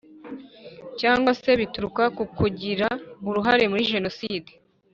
cyangwa se bituruka ku kugira uruhare muri jenoside